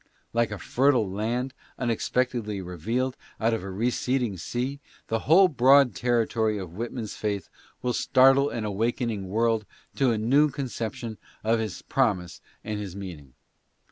'"' Like a fertile land unexpectedly revealed out of a receding sea, the whole broad territory of Whitman's faith will startle an awakening world to a new conception of his promise and his meaning.